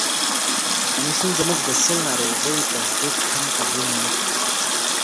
کمیسیون زموږ د سِل ناروغي تصدیق هم قبول نه کړ.